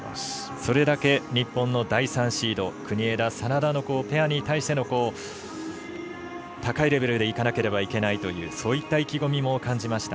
それだけ日本の第３シード国枝、眞田のペアに対しての高いレベルでいかなければいけないというそういった意気込みも感じました。